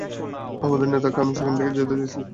আমাদের নেতাকে আমি সেখানে যেতে দেখেছি।